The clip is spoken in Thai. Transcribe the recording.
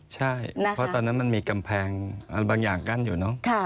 ใช่เพราะตอนนั้นมันมีกำแพงบางอย่างกั้นอยู่เนอะ